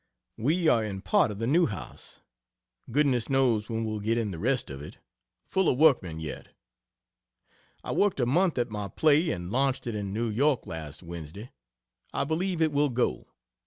We are in part of the new house. Goodness knows when we'll get in the rest of it full of workmen yet. I worked a month at my play, and launched it in New York last Wednesday. I believe it will go.